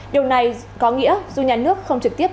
điều này có nghĩa dù nhà nước không trực tiếp